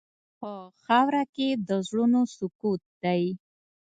په خاوره کې د زړونو سکوت دی.